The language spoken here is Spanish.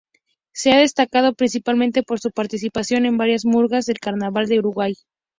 Se ha destacado principalmente por su participación en varias murgas del carnaval de Uruguay.